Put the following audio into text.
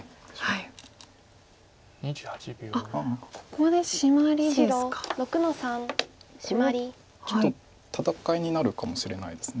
これはちょっと戦いになるかもしれないです。